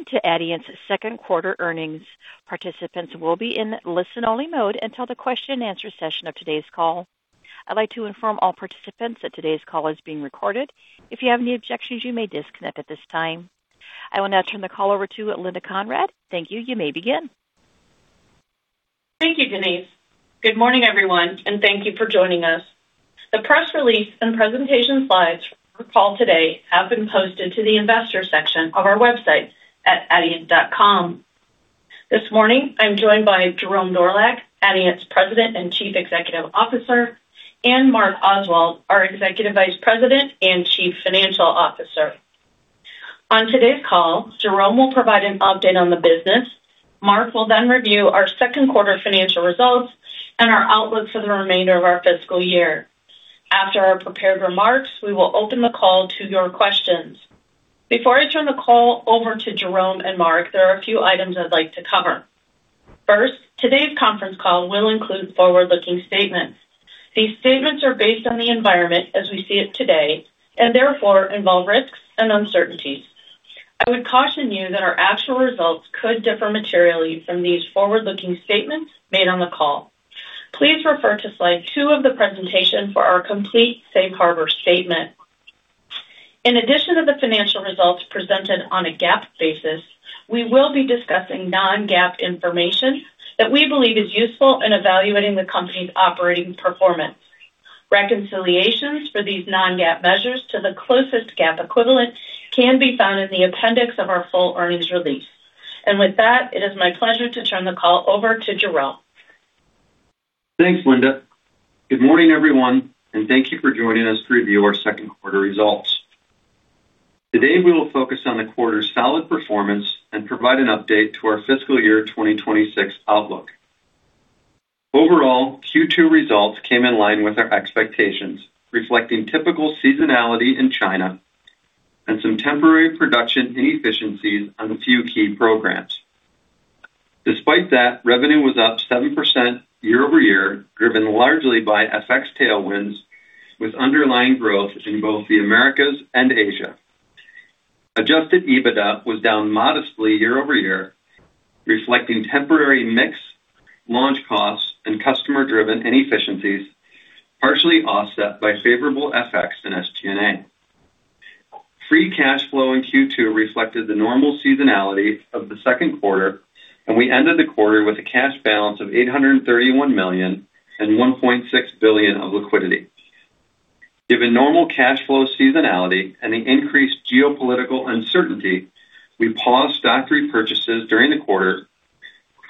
Welcome to Adient's Q2 earnings. Participants will be in listen-only mode until the question and answer session of today's call. I'd like to inform all participants that today's call is being recorded. If you have any objections, you may disconnect at this time. I will now turn the call over to Linda Conrad. Thank you. You may begin. Thank you, Denise. Good morning, everyone, and thank you for joining us. The press release and presentation slides for the call today have been posted to the investor section of our website at adient.com. This morning, I'm joined by Jerome Dorlack, Adient's President and Chief Executive Officer, and Mark Oswald, our Executive Vice President and Chief Financial Officer. On today's call, Jerome will provide an update on the business. Mark will then review our Q2 financial results and our outlook for the remainder of our fiscal year. After our prepared remarks, we will open the call to your questions. Before I turn the call over to Jerome and Mark, there are a few items I'd like to cover. First, today's conference call will include forward-looking statements. These statements are based on the environment as we see it today and therefore involve risks and uncertainties. I would caution you that our actual results could differ materially from these forward-looking statements made on the call. Please refer to slide two of the presentation for our complete safe harbor statement. In addition to the financial results presented on a GAAP basis, we will be discussing non-GAAP information that we believe is useful in evaluating the company's operating performance. Reconciliations for these non-GAAP measures to the closest GAAP equivalent can be found in the appendix of our full earnings release. With that, it is my pleasure to turn the call over to Jerome. Thanks, Linda. Good morning, everyone, thank you for joining us to review our Q2 results. Today, we will focus on the quarter's solid performance provide an update to our fiscal year 2026 outlook. Overall, Q2 results came in line with our expectations, reflecting typical seasonality in China some temporary production inefficiencies on a few key programs. Despite that, revenue was up 7% YoY, driven largely by FX tailwinds, with underlying growth in both the Americas and Asia. Adjusted EBITDA was down modestly year-over-year, reflecting temporary mix launch costs customer-driven inefficiencies, partially offset by favorable FX and SG&A. Free cash flow in Q2 reflected the normal seasonality of the Q2, we ended the quarter with a cash balance of $831 million and $1.6 billion of liquidity. Given normal cash flow seasonality and the increased geopolitical uncertainty, we paused stock repurchases during the quarter,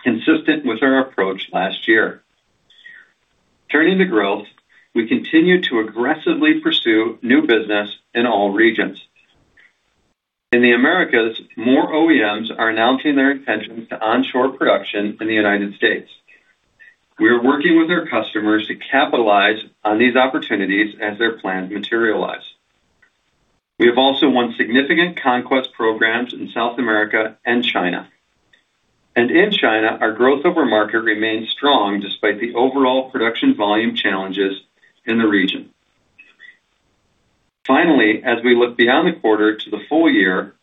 consistent with our approach last year. Turning to growth, we continue to aggressively pursue new business in all regions. In the Americas, more OEMs are announcing their intentions to onshore production in the United States. We are working with our customers to capitalize on these opportunities as their plans materialize. We have also won significant conquest programs in South America and China. In China, our growth over market remains strong despite the overall production volume challenges in the region. Finally, as we look beyond the quarter to the full year,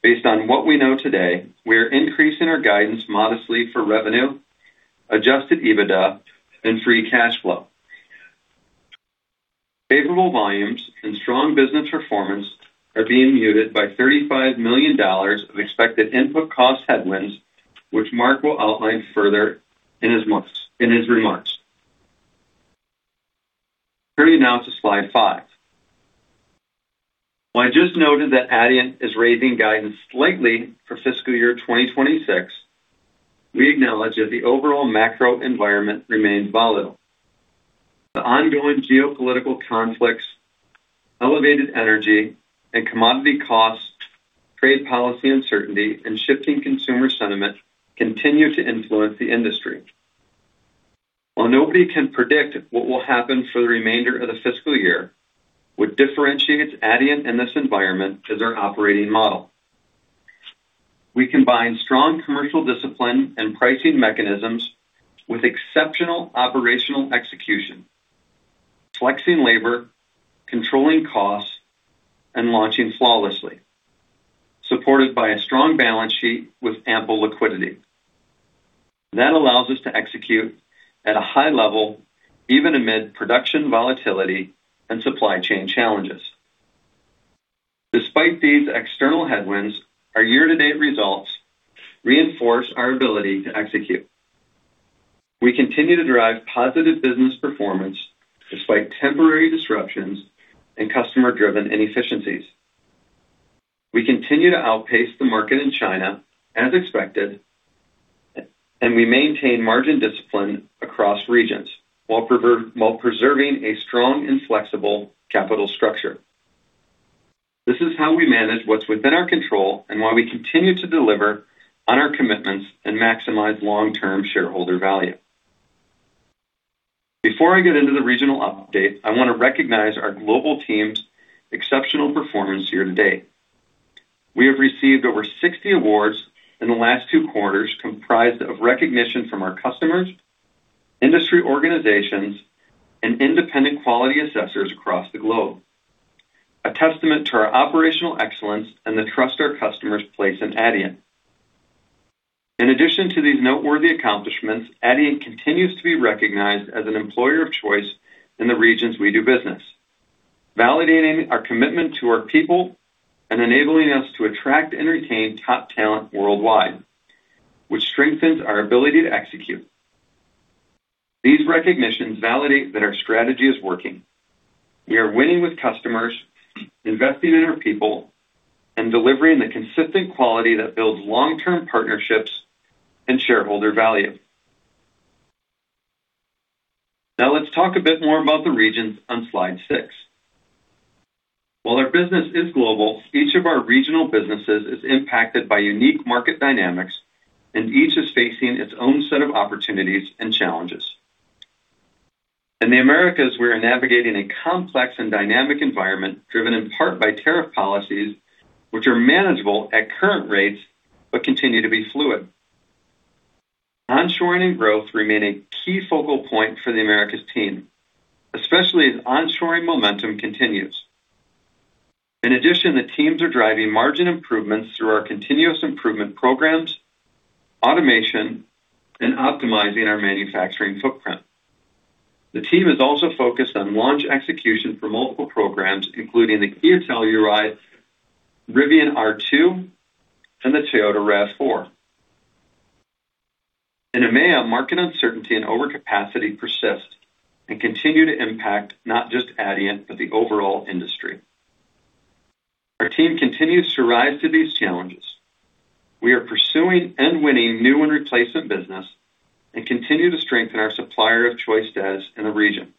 based on what we know today, we are increasing our guidance modestly for revenue, adjusted EBITDA, and free cash flow. Favorable volumes and strong business performance are being muted by $35 million of expected input cost headwinds, which Mark will outline further in his remarks. Turning now to slide five. I just noted that Adient is raising guidance slightly for FY 2026, we acknowledge that the overall macro environment remains volatile. The ongoing geopolitical conflicts, elevated energy and commodity costs, trade policy uncertainty, and shifting consumer sentiment continue to influence the industry. Nobody can predict what will happen for the remainder of the fiscal year, what differentiates Adient in this environment is our operating model. We combine strong commercial discipline and pricing mechanisms with exceptional operational execution, flexing labor, controlling costs, and launching flawlessly, supported by a strong balance sheet with ample liquidity. That allows us to execute at a high level, even amid production volatility and supply chain challenges. Despite these external headwinds, our year-to-date results reinforce our ability to execute. We continue to drive positive business performance despite temporary disruptions and customer-driven inefficiencies. We continue to outpace the market in China as expected, and we maintain margin discipline across regions while preserving a strong and flexible capital structure. This is how we manage what's within our control and why we continue to deliver on our commitments and maximize long-term shareholder value. Before I get into the regional update, I want to recognize our global team's exceptional performance year to date. We have received over 60 awards in the last two quarters comprised of recognition from our customers, Industry organizations and independent quality assessors across the globe. A testament to our operational excellence and the trust our customers place in Adient. In addition to these noteworthy accomplishments, Adient continues to be recognized as an employer of choice in the regions we do business, validating our commitment to our people and enabling us to attract and retain top talent worldwide, which strengthens our ability to execute. These recognitions validate that our strategy is working. We are winning with customers, investing in our people, and delivering the consistent quality that builds long-term partnerships and shareholder value. Let's talk a bit more about the regions on slide six. Our business is global, each of our regional businesses is impacted by unique market dynamics. Each is facing its own set of opportunities and challenges. In the Americas, we are navigating a complex and dynamic environment driven in part by tariff policies, which are manageable at current rates but continue to be fluid. Onshoring growth remain a key focal point for the Americas team, especially as onshoring momentum continues. The teams are driving margin improvements through our Continuous Improvement programs, automation, and optimizing our manufacturing footprint. The team is also focused on launch execution for multiple programs, including the Kia Telluride, Rivian R2, and the Toyota RAV4. In EMEA, market uncertainty and overcapacity persist and continue to impact not just Adient, but the overall industry. Our team continues to rise to these challenges. We are pursuing and winning new and replacement business and continue to strengthen our supplier of choice status in the region.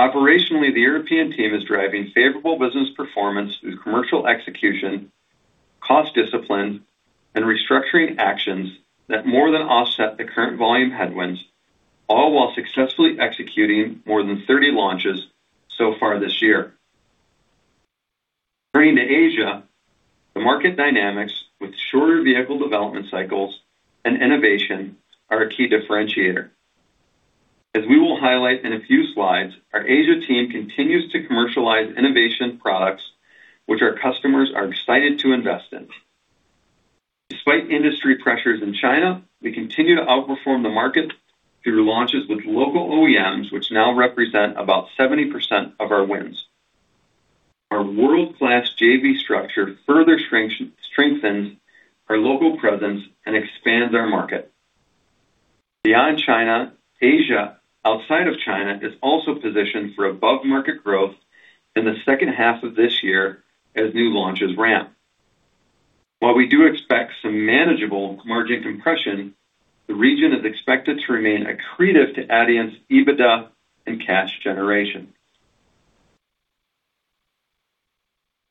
Operationally, the European team is driving favorable business performance through commercial execution, cost discipline, and restructuring actions that more than offset the current volume headwinds, all while successfully executing more than 30 launches so far this year. Turning to Asia, the market dynamics with shorter vehicle development cycles and innovation are a key differentiator. As we will highlight in a few slides, our Asia team continues to commercialize innovation products which our customers are excited to invest in. Despite industry pressures in China, we continue to outperform the market through launches with local OEMs, which now represent about 70% of our wins. Our world-class JV structure further strengthens our local presence and expands our market. Beyond China, Asia, outside of China, is also positioned for above-market growth in the H2 of this year as new launches ramp. While we do expect some manageable margin compression, the region is expected to remain accretive to Adient's EBITDA and cash generation.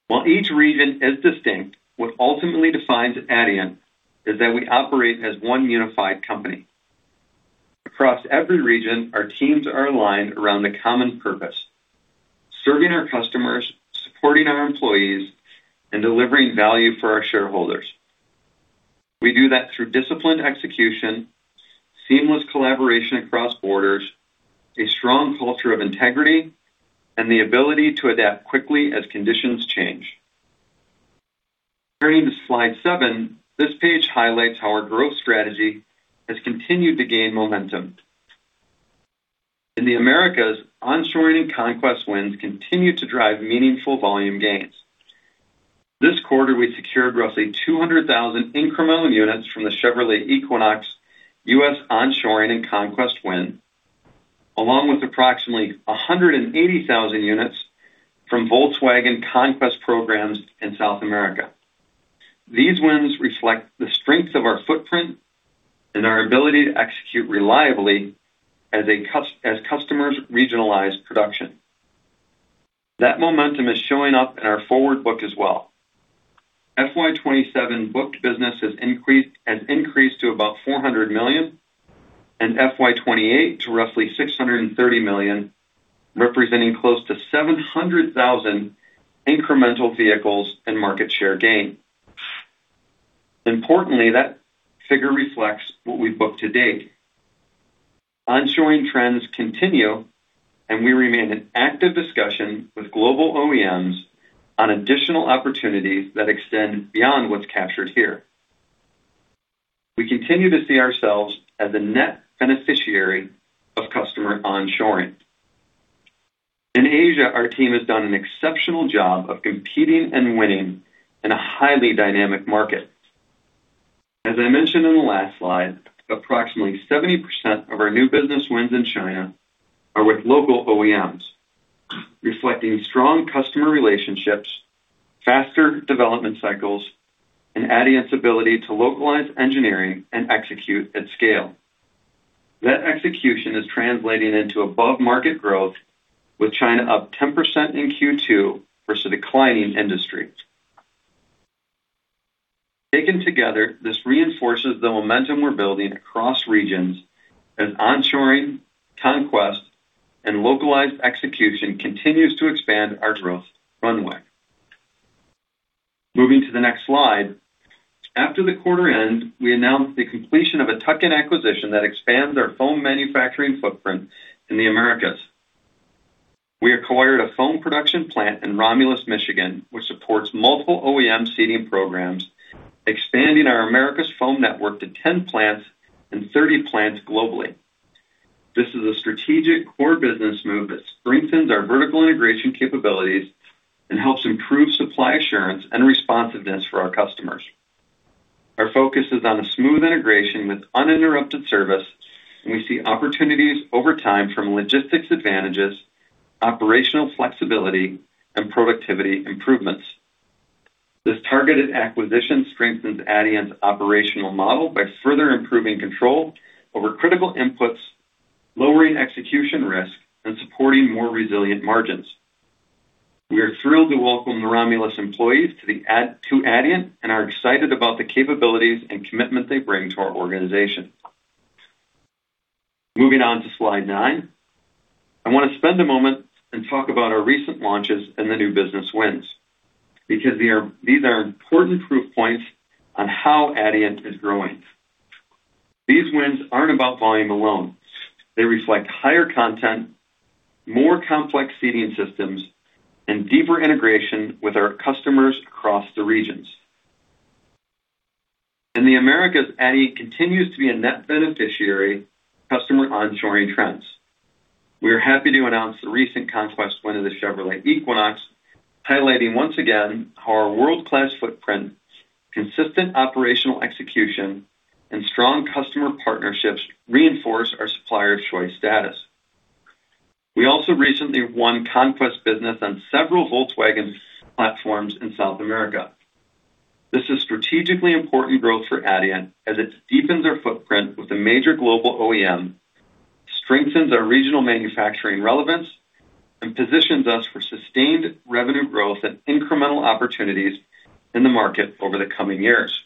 While each region is distinct, what ultimately defines Adient is that we operate as one unified company. Across every region, our teams are aligned around the common purpose: serving our customers, supporting our employees, and delivering value for our shareholders. We do that through disciplined execution, seamless collaboration across borders, a strong culture of integrity, and the ability to adapt quickly as conditions change. Turning to slide seven, this page highlights how our growth strategy has continued to gain momentum. In the Americas, onshoring conquest wins continue to drive meaningful volume gains. This quarter, we secured roughly 200,000 incremental units from the Chevrolet Equinox U.S. onshoring and conquest win, along with approximately 180,000 units from Volkswagen conquest programs in South America. These wins reflect the strength of our footprint and our ability to execute reliably as customers regionalize production. That momentum is showing up in our forward book as well. FY 2027 booked business has increased to about $400 million, and FY 2028 to roughly $630 million, representing close to 700,000 incremental vehicles and market share gain. Importantly, that figure reflects what we've booked to date. Onshoring trends continue. We remain in active discussion with global OEMs on additional opportunities that extend beyond what's captured here. We continue to see ourselves as a net beneficiary of customer onshoring. In Asia, our team has done an exceptional job of competing and winning in a highly dynamic market. As I mentioned in the last slide, approximately 70% of our new business wins in China are with local OEMs, reflecting strong customer relationships, faster development cycles, and Adient's ability to localize engineering and execute at scale. That execution is translating into above market growth, with China up 10% in Q2 versus a declining industry. Taken together, this reinforces the momentum we're building across regions as onshoring, conquest, and localized execution continues to expand our growth runway. Moving to the next slide. After the quarter end, we announced the completion of a tuck-in acquisition that expands our foam manufacturing footprint in the Americas. We acquired a foam production plant in Romulus, Michigan, which supports multiple OEM seating programs, expanding our Americas foam network to 10 plants and 30 plants globally. This is a strategic core business move that strengthens our vertical integration capabilities and helps improve supply assurance and responsiveness for our customers. Our focus is on a smooth integration with uninterrupted service, and we see opportunities over time from logistics advantages, operational flexibility, and productivity improvements. This targeted acquisition strengthens Adient's operational model by further improving control over critical inputs, lowering execution risk, and supporting more resilient margins. We are thrilled to welcome the Romulus employees to Adient, and are excited about the capabilities and commitment they bring to our organization. Moving on to slide nine. I want to spend a moment and talk about our recent launches and the new business wins because these are important proof points on how Adient is growing. These wins aren't about volume alone. They reflect higher content, more complex seating systems, and deeper integration with our customers across the regions. In the Americas, Adient continues to be a net beneficiary customer onshoring trends. We are happy to announce the recent conquest win of the Chevrolet Equinox, highlighting once again how our world-class footprint, consistent operational execution, and strong customer partnerships reinforce our supplier of choice status. We also recently won conquest business on several Volkswagen platforms in South America. This is strategically important growth for Adient as it deepens our footprint with a major global OEM, strengthens our regional manufacturing relevance, and positions us for sustained revenue growth and incremental opportunities in the market over the coming years.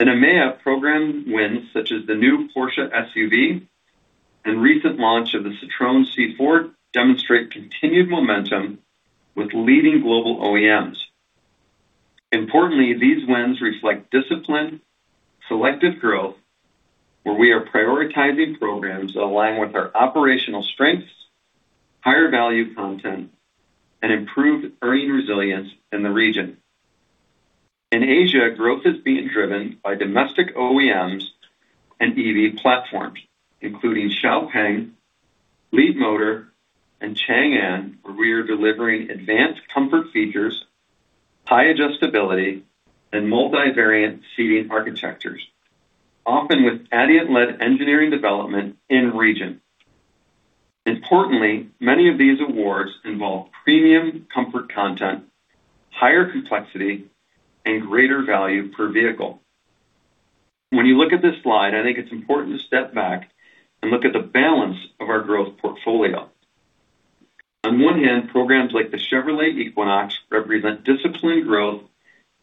In EMEA, program wins such as the new Porsche SUV and recent launch of the Citroën C4 demonstrate continued momentum with leading global OEMs. Importantly, these wins reflect disciplined, selective growth where we are prioritizing programs that align with our operational strengths, higher value content, and improved earning resilience in the region. In Asia, growth is being driven by domestic OEMs and EV platforms, including XPeng, Leapmotor, and Changan, where we are delivering advanced comfort features, high adjustability, and multivariant seating architectures, often with Adient-led engineering development in region. Importantly, many of these awards involve premium comfort content, higher complexity, and greater value per vehicle. When you look at this slide, I think it's important to step back and look at the balance of our growth portfolio. On one hand, programs like the Chevrolet Equinox represent disciplined growth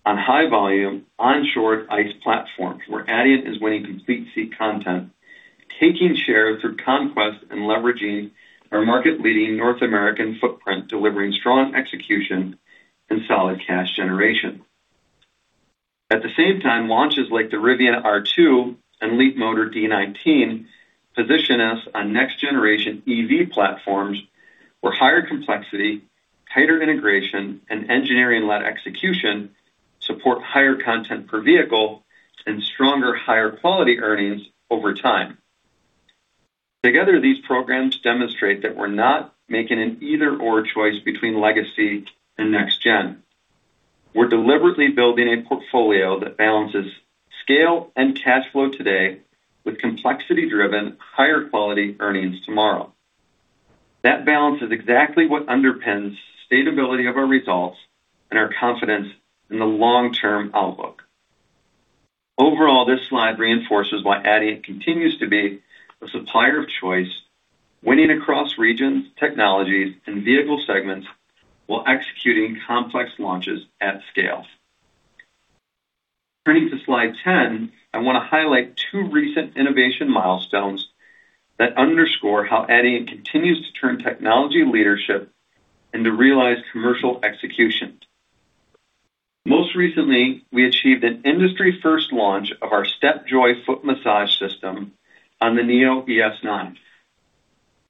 on high volume onshored ICE platforms, where Adient is winning complete seat content, taking share through conquest and leveraging our market-leading North American footprint, delivering strong execution and solid cash generation. At the same time, launches like the Rivian R2 and Leapmotor D19 position us on next-generation EV platforms where higher complexity, tighter integration, and engineering-led execution support higher content per vehicle and stronger, higher quality earnings over time. These programs demonstrate that we're not making an either/or choice between legacy and next gen. We're deliberately building a portfolio that balances scale and cash flow today with complexity-driven, higher quality earnings tomorrow. That balance is exactly what underpins stability of our results and our confidence in the long-term outlook. Overall, this slide reinforces why Adient continues to be a supplier of choice, winning across regions, technologies, and vehicle segments while executing complex launches at scale. Turning to slide 10, I want to highlight two recent innovation milestones that underscore how Adient continues to turn technology leadership into realized commercial execution. Most recently, we achieved an industry-first launch of our StepJoy foot massage system on the Nio ES9.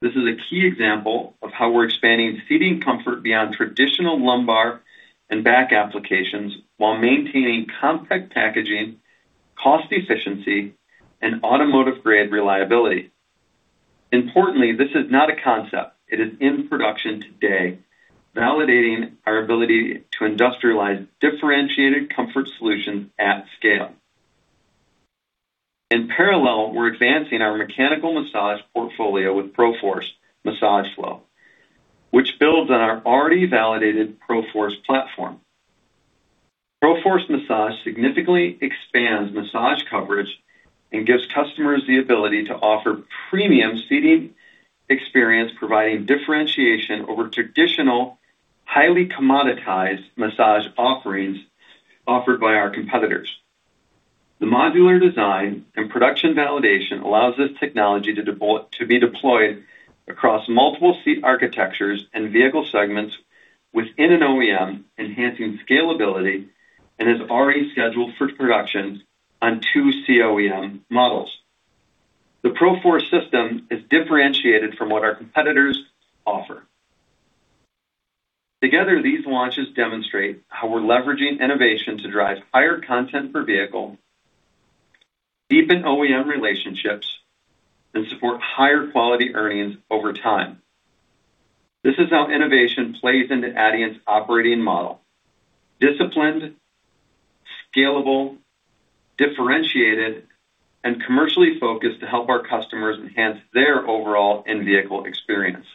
This is a key example of how we're expanding seating comfort beyond traditional lumbar and back applications while maintaining compact packaging, cost efficiency, and automotive-grade reliability. Importantly, this is not a concept. It is in production today, validating our ability to industrialize differentiated comfort solutions at scale. In parallel, we're advancing our mechanical massage portfolio with ProForce Massage Flow, which builds on our already validated ProForce platform. ProForce Massage significantly expands massage coverage and gives customers the ability to offer premium seating experience, providing differentiation over traditional, highly commoditized massage offerings offered by our competitors. The modular design and production validation allows this technology to be deployed across multiple seat architectures and vehicle segments within an OEM, enhancing scalability and is already scheduled for production on two COEM models. The ProForce system is differentiated from what our competitors offer. Together, these launches demonstrate how we're leveraging innovation to drive higher content per vehicle, deepen OEM relationships, and support higher quality earnings over time. This is how innovation plays into Adient's operating model. Disciplined, scalable, differentiated, and commercially focused to help our customers enhance their overall in-vehicle experience.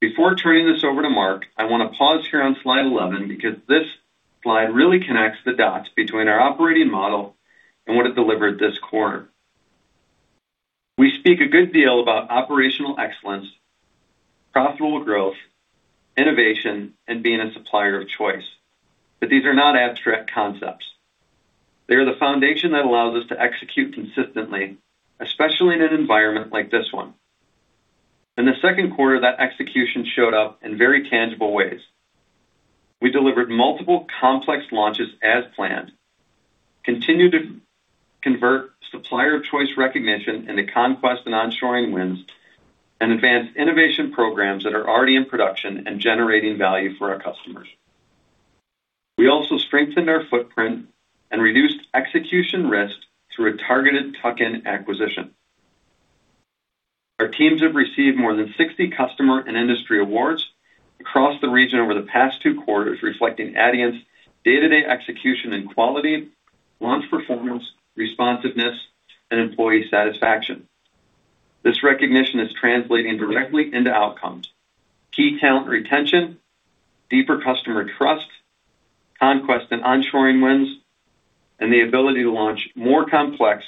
Before turning this over to Mark, I want to pause here on slide 11, because this slide really connects the dots between our operating model and what it delivered this quarter. We speak a good deal about operational excellence, profitable growth, innovation, and being a supplier of choice. These are not abstract concepts. They are the foundation that allows us to execute consistently, especially in an environment like this one. In Q2, that execution showed up in very tangible ways. We delivered multiple complex launches as planned, continued to convert supplier choice recognition into conquest and onshoring wins, and advanced innovation programs that are already in production and generating value for our customers. We also strengthened our footprint and reduced execution risk through a targeted tuck-in acquisition. Our teams have received more than 60 customer and industry awards across the region over the past two quarters, reflecting Adient's day-to-day execution and quality, launch performance, responsiveness, and employee satisfaction. This recognition is translating directly into outcomes, key talent retention, deeper customer trust, conquest and onshoring wins, and the ability to launch more complex,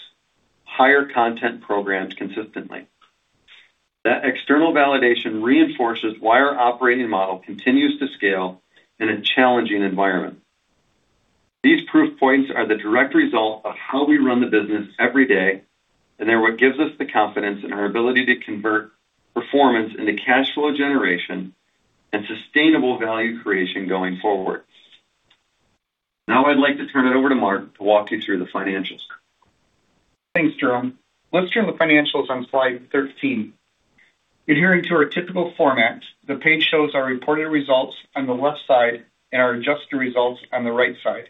higher content programs consistently. That external validation reinforces why our operating model continues to scale in a challenging environment. These proof points are the direct result of how we run the business every day, and they're what gives us the confidence in our ability to convert performance into cash flow generation and sustainable value creation going forward. Now I'd like to turn it over to Mark to walk you through the financials. Thanks, Jerome. Let's turn to financials on slide 13. Adhering to our typical format, the page shows our reported results on the left side and our adjusted results on the right side.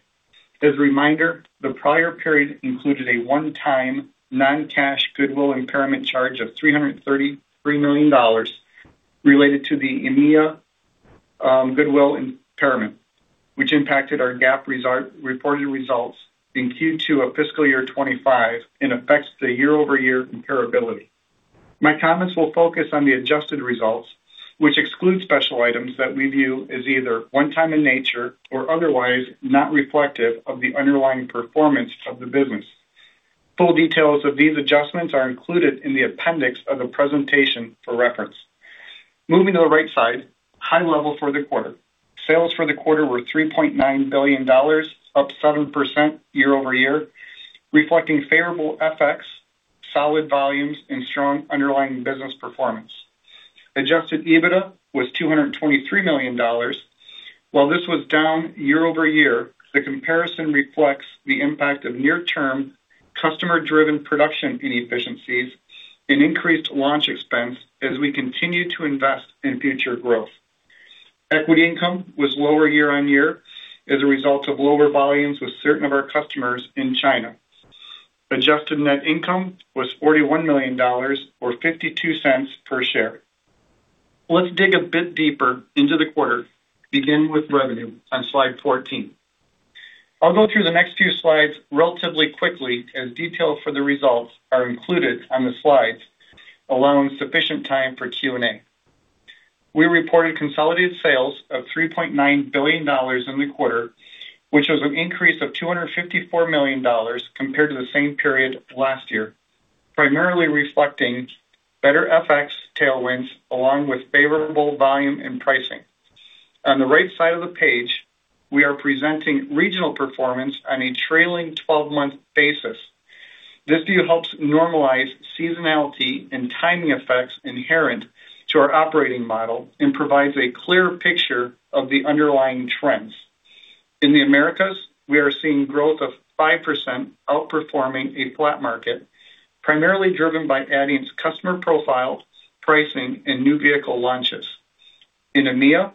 As a reminder, the prior period included a one-time non-cash goodwill impairment charge of $333 million related to the EMEA goodwill impairment, which impacted our GAAP reported results in Q2 of FY 2025 and affects the year-over-year comparability. My comments will focus on the adjusted results, which exclude special items that we view as either one time in nature or otherwise not reflective of the underlying performance of the business. Full details of these adjustments are included in the appendix of the presentation for reference. Moving to the right side, high level for the quarter. Sales for the quarter were $3.9 billion, up 7% YoY, reflecting favorable FX, solid volumes, and strong underlying business performance. Adjusted EBITDA was $223 million. While this was down year-over-year, the comparison reflects the impact of near-term customer-driven production inefficiencies and increased launch expense as we continue to invest in future growth. Equity income was lower year-on-year as a result of lower volumes with certain of our customers in China. Adjusted net income was $41 million or $0.52 per share. Let's dig a bit deeper into the quarter, begin with revenue on slide 14. I'll go through the next few slides relatively quickly, as details for the results are included on the slides, allowing sufficient time for Q&A. We reported consolidated sales of $3.9 billion in the quarter, which was an increase of $254 million compared to the same period last year, primarily reflecting better FX tailwinds along with favorable volume and pricing. On the right side of the page, we are presenting regional performance on a trailing 12-month basis. This view helps normalize seasonality and timing effects inherent to our operating model and provides a clear picture of the underlying trends. In the Americas, we are seeing growth of 5%, outperforming a flat market, primarily driven by Adient's customer profile, pricing, and new vehicle launches. In EMEA,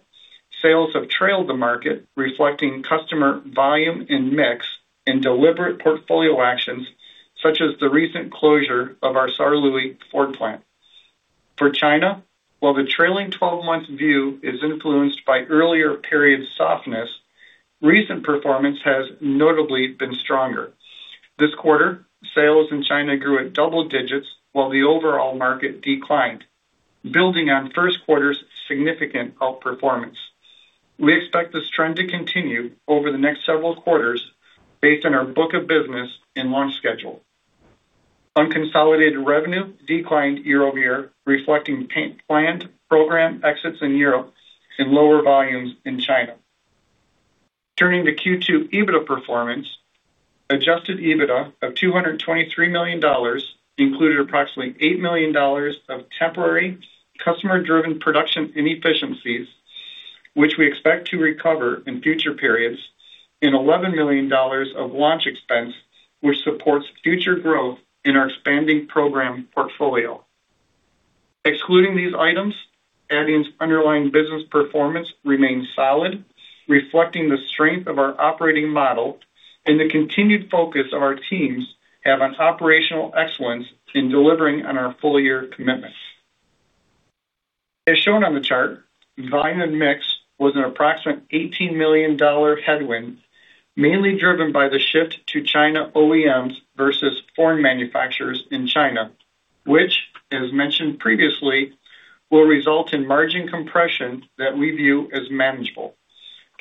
sales have trailed the market, reflecting customer volume and mix and deliberate portfolio actions such as the recent closure of our Saarlouis Ford plant. For China, while the trailing 12-month view is influenced by earlier period softness, recent performance has notably been stronger. This quarter, sales in China grew at double digits while the overall market declined, building on Q1``` significant outperformance. We expect this trend to continue over the next several quarters based on our book of business and launch schedule. Unconsolidated revenue declined year-over-year, reflecting paint plant program exits in Europe and lower volumes in China. Turning to Q2 EBITDA performance, adjusted EBITDA of $223 million included approximately $8 million of temporary customer-driven production inefficiencies, which we expect to recover in future periods, and $11 million of launch expense, which supports future growth in our expanding program portfolio. Excluding these items, Adient's underlying business performance remains solid, reflecting the strength of our operating model and the continued focus our teams have on operational excellence in delivering on our full-year commitments. As shown on the chart, volume and mix was an approximate $18 million headwind, mainly driven by the shift to Chinese OEMs versus foreign manufacturers in China, which, as mentioned previously, will result in margin compression that we view as manageable.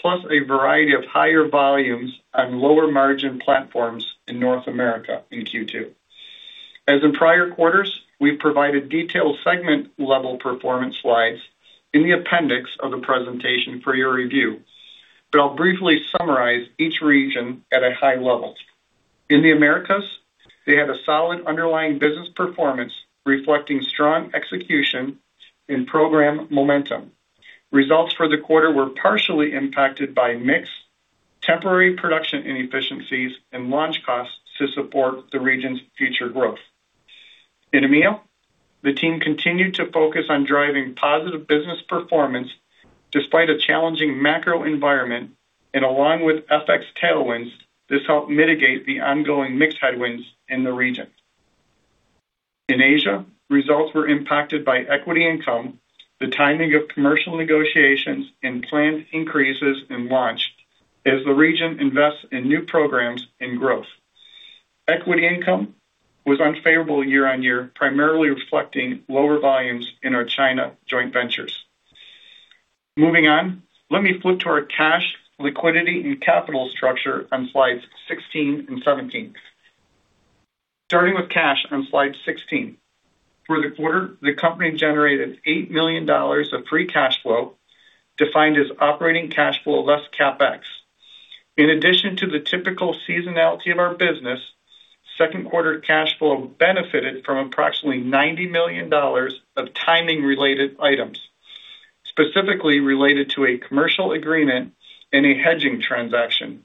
A variety of higher volumes on lower margin platforms in North America in Q2. As in prior quarters, we've provided detailed segment-level performance slides in the appendix of the presentation for your review. I'll briefly summarize each region at a high level. In the Americas, they had a solid underlying business performance reflecting strong execution in program momentum. Results for the quarter were partially impacted by mix, temporary production inefficiencies, and launch costs to support the region's future growth. In EMEA, the team continued to focus on driving positive business performance despite a challenging macro environment. Along with FX tailwinds, this helped mitigate the ongoing mix headwinds in the region. In Asia, results were impacted by equity income, the timing of commercial negotiations, and planned increases in launch as the region invests in new programs and growth. Equity income was unfavorable year-on-year, primarily reflecting lower volumes in our China joint ventures. Moving on, let me flip to our cash, liquidity, and capital structure on slides 16 and 17. Starting with cash on slide 16. For the quarter, the company generated $8 million of free cash flow, defined as operating cash flow less CapEx. In addition to the typical seasonality of our business, Q2 cash flow benefited from approximately $90 million of timing-related items, specifically related to a commercial agreement and a hedging transaction.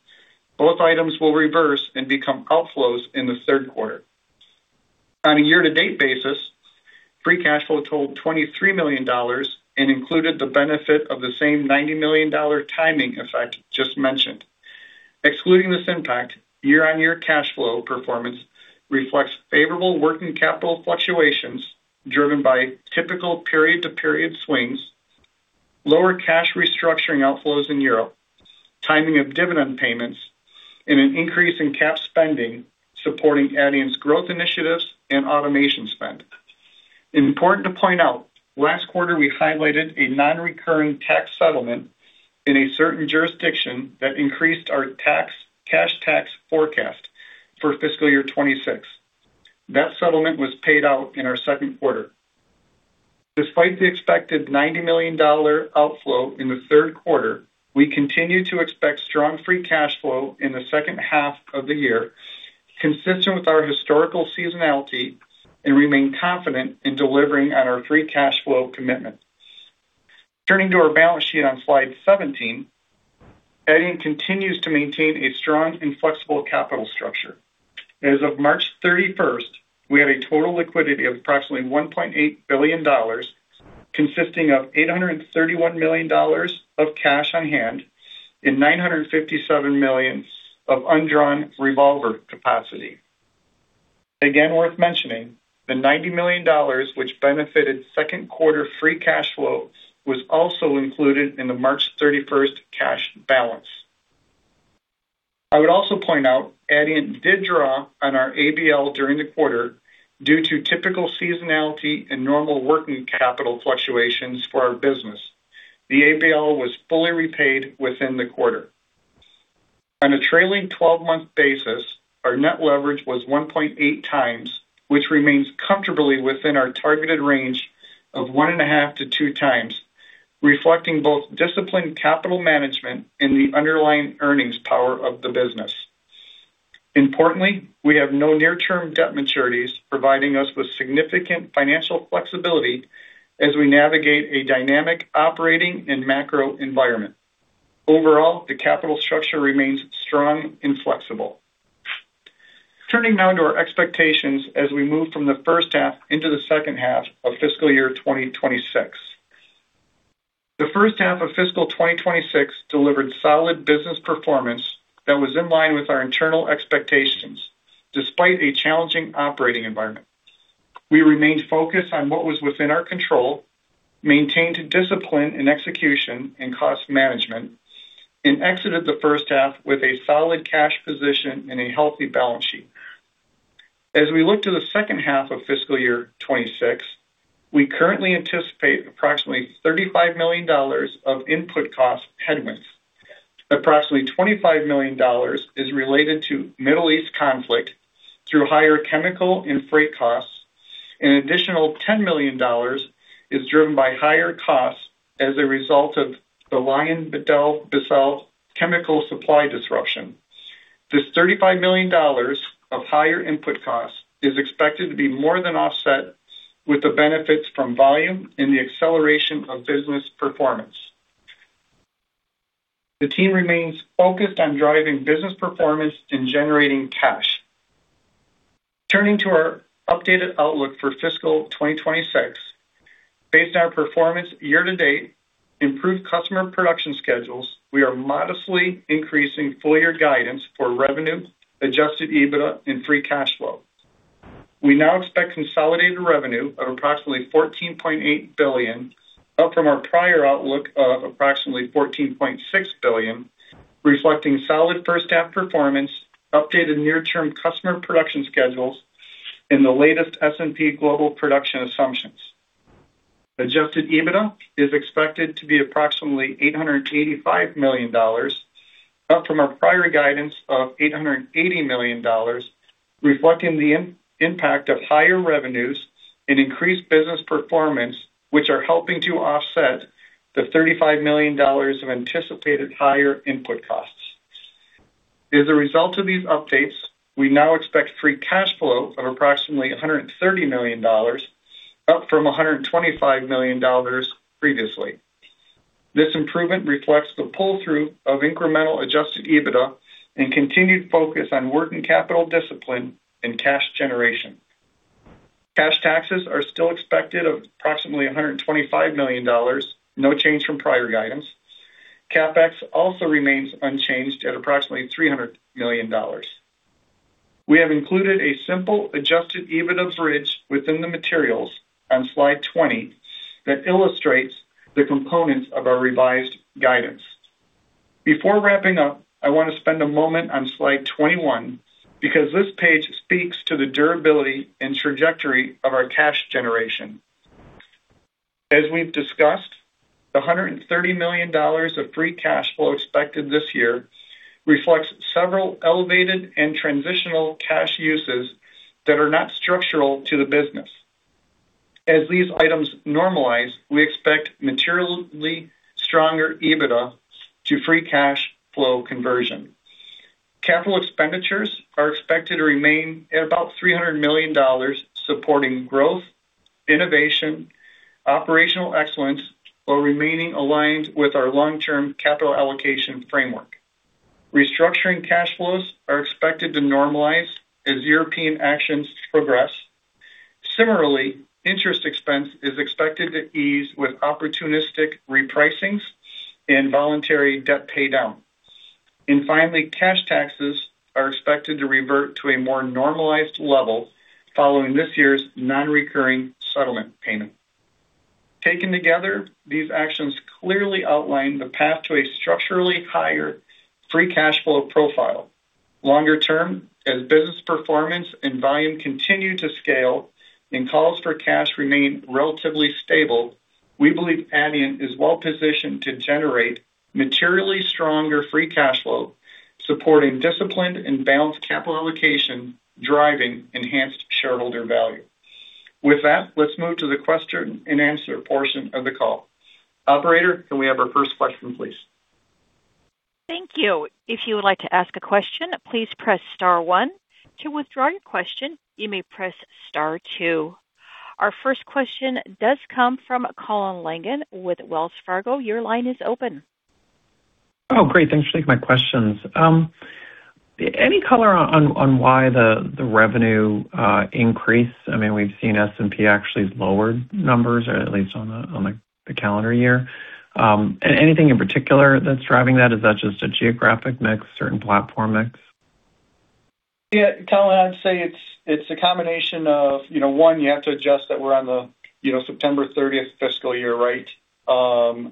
Both items will reverse and become outflows in the third quarter. On a year-to-date basis, free cash flow totaled $23 million and included the benefit of the same $90 million timing effect just mentioned. Excluding this impact, year-on-year cash flow performance reflects favorable working capital fluctuations driven by typical period-to-period swings, lower cash restructuring outflows in Europe, timing of dividend payments, and an increase in cap spending supporting Adient's growth initiatives and automation spend. Important to point out, last quarter we highlighted a non-recurring tax settlement in a certain jurisdiction that increased our cash tax forecast for FY 2026. That settlement was paid out in our Q2. Despite the expected $90 million outflow in Q3, we continue to expect strong free cash flow in the H2 of the year, consistent with our historical seasonality, and remain confident in delivering on our free cash flow commitment. Turning to our balance sheet on slide 17. Adient continues to maintain a strong and flexible capital structure. As of March 31st, we had a total liquidity of approximately $1.8 billion, consisting of $831 million of cash on hand and $957 million of undrawn revolver capacity. Again, worth mentioning, the $90 million which benefited second quarter free cash flows was also included in the March 31st cash balance. I would also point out Adient did draw on our ABL during the quarter due to typical seasonality and normal working capital fluctuations for our business. The ABL was fully repaid within the quarter. On a trailing 12-month basis, our net leverage was 1.8 times, which remains comfortably within our targeted range of 1.5 - 2 times, reflecting both disciplined capital management and the underlying earnings power of the business. Importantly, we have no near-term debt maturities, providing us with significant financial flexibility as we navigate a dynamic operating and macro environment. Overall, the capital structure remains strong and flexible. Turning now to our expectations as we move from the H1 into the H2 of FY 2026. The H1 of FY 2026 delivered solid business performance that was in line with our internal expectations, despite a challenging operating environment. We remained focused on what was within our control, maintained discipline in execution and cost management, and exited H1 with a solid cash position and a healthy balance sheet. As we look to the H2 of FY 2026, we currently anticipate approximately $35 million of input cost headwinds. Approximately $25 million is related to Middle East conflict through higher chemical and freight costs. Additional $10 million is driven by higher costs as a result of the LyondellBasell chemical supply disruption. This $35 million of higher input costs is expected to be more than offset with the benefits from volume and the acceleration of business performance. The team remains focused on driving business performance and generating cash. Turning to our updated outlook for FY 2026. Based on performance year-to-date, improved customer production schedules, we are modestly increasing full year guidance for revenue, adjusted EBITDA and free cash flow. We now expect consolidated revenue of approximately $14.8 billion, up from our prior outlook of approximately $14.6 billion, reflecting solid first half performance, updated near-term customer production schedules and the latest S&P Global production assumptions. Adjusted EBITDA is expected to be approximately $885 million, up from our prior guidance of $880 million, reflecting the impact of higher revenues and increased business performance, which are helping to offset the $35 million of anticipated higher input costs. As a result of these updates, we now expect free cash flow of approximately $130 million, up from $125 million previously. This improvement reflects the pull-through of incremental Adjusted EBITDA and continued focus on working capital discipline and cash generation. Cash taxes are still expected of approximately $125 million, no change from prior guidance. CapEx also remains unchanged at approximately $300 million. We have included a simple adjusted EBITDA bridge within the materials on slide 20 that illustrates the components of our revised guidance. Before wrapping up, I wanna spend a moment on slide 21, because this page speaks to the durability and trajectory of our cash generation. As we've discussed, the $130 million of free cash flow expected this year reflects several elevated and transitional cash uses that are not structural to the business. As these items normalize, we expect materially stronger EBITDA to free cash flow conversion. Capital expenditures are expected to remain at about $300 million, supporting growth, innovation, operational excellence, while remaining aligned with our long-term capital allocation framework. Restructuring cash flows are expected to normalize as European actions progress. Similarly, interest expense is expected to ease with opportunistic repricings and voluntary debt pay down. Finally, cash taxes are expected to revert to a more normalized level following this year's non-recurring settlement payment. Taken together, these actions clearly outline the path to a structurally higher free cash flow profile. Longer term, as business performance and volume continue to scale and calls for cash remain relatively stable, we believe Adient is well positioned to generate materially stronger free cash flow, supporting disciplined and balanced capital allocation, driving enhanced shareholder value. With that, let's move to the question and answer portion of the call. Operator, can we have our first question, please? Our first question does come from Colin Langan with Wells Fargo. Your line is open. Great, thanks for taking my questions. Any color on why the revenue increase? I mean, we've seen S&P actually lower numbers, or at least on the calendar year. Anything in particular that's driving that? Is that just a geographic mix, certain platform mix? Yeah, Colin, I'd say it's a combination of, one, you have to adjust that we're on the September 30th FY, right?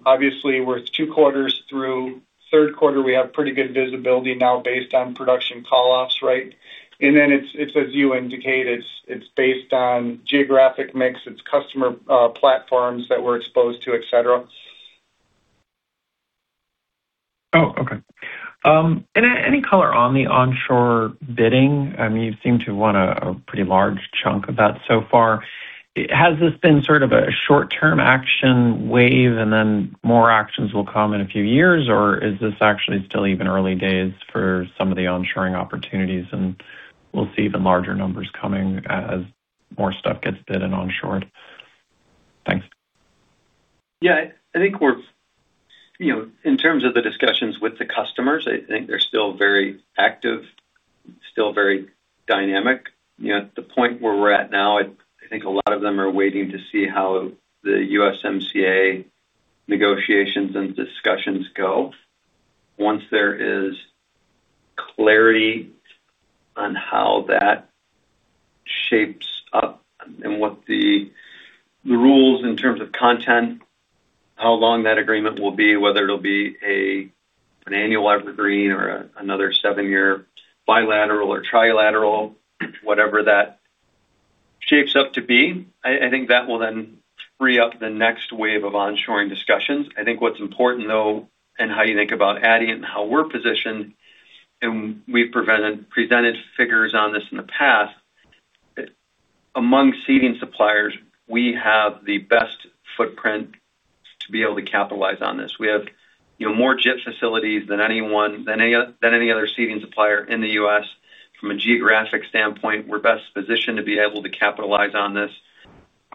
Obviously, we're two quarters through. Third quarter, we have pretty good visibility now based on production call-offs, right? Then as you indicate, it's based on geographic mix, it's customer platforms that we're exposed to, etc. Okay. Any color on the onshore bidding? I mean, you seem to won a pretty large chunk of that so far. Has this been sort of a short-term action wave, and then more actions will come in a few years? Or is this actually still even early days for some of the onshoring opportunities, and we'll see even larger numbers coming as more stuff gets bid and onshored? Thanks. Yeah, I think we're You know, in terms of the discussions with the customers, I think they're still very active, still very dynamic. You know, at the point where we're at now, I think a lot of them are waiting to see how the USMCA negotiations and discussions go. Once there is clarity on how that shapes up and what the rules in terms of content, how long that agreement will be, whether it'll be an annual evergreen or another seven-year bilateral or trilateral. Whatever that shapes up to be. I think that will then free up the next wave of onshoring discussions. I think what's important, though, in how you think about Adient and how we're positioned, and we've presented figures on this in the past. Among seating suppliers, we have the best footprint to be able to capitalize on this. We have, you know, more JIT facilities than anyone than any other seating supplier in the U.S. From a geographic standpoint, we're best positioned to be able to capitalize on this.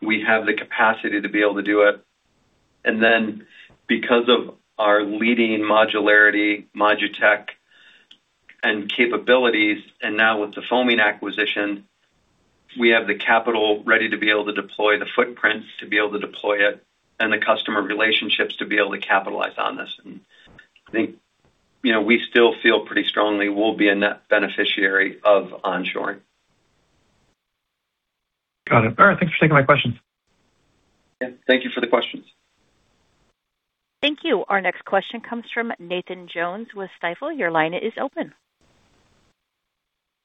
We have the capacity to be able to do it. Because of our leading modularity, ModuTec and capabilities, and now with the foaming acquisition, we have the capital ready to be able to deploy the footprints, to be able to deploy it, and the customer relationships to be able to capitalize on this. I think, you know, we still feel pretty strongly we'll be a net beneficiary of onshoring. Got it. All right. Thanks for taking my question. Thank you for the questions. Thank you. Our next question comes from Nathan Jones with Stifel. Your line is open.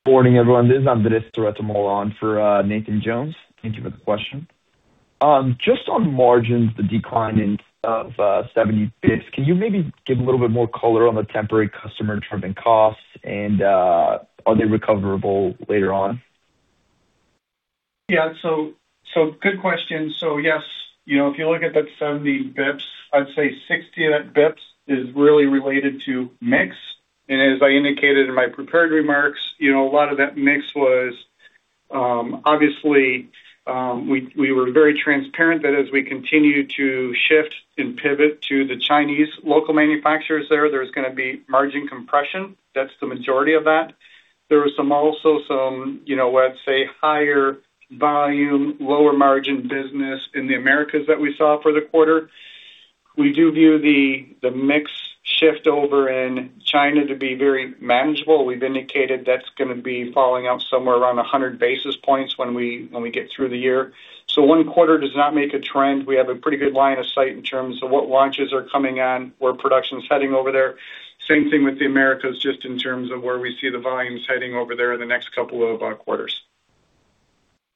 Morning, everyone. This is Andres Terrazzo Molan for Nathan Jones. Thank you for the question. Just on margins, the decline of 70 basis points, can you maybe give a little bit more color on the temporary customer-driven costs? Are they recoverable later on? Yeah. Good question. Yes, you know, if you look at that 70 basis points, I'd say 60 of that basis points is really related to mix. As I indicated in my prepared remarks, you know, a lot of that mix was obviously, we were very transparent that as we continue to shift and pivot to the Chinese local manufacturers there's gonna be margin compression. That's the majority of that. There are also some, you know, let's say, higher volume, lower margin business in the Americas that we saw for the quarter. We do view the mix shift over in China to be very manageable. We've indicated that's gonna be falling out somewhere around 100 basis points when we get through the year. One quarter does not make a trend. We have a pretty good line of sight in terms of what launches are coming on, where production's heading over there. Same thing with the Americas, just in terms of where we see the volumes heading over there in the next couple of quarters.